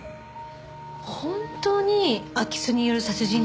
本当に空き巣による殺人なんですかね？